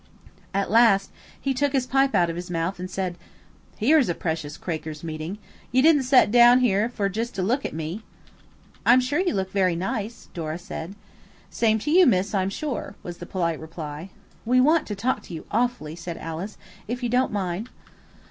At last he took his pipe out of his mouth and said– "Here's a precious Quakers' meeting! You didn't set down here just for to look at me?" "I'm sure you look very nice," Dora said. "Same to you, miss, I'm sure," was the polite reply. "We want to talk to you awfully," said Alice, "if you don't mind?"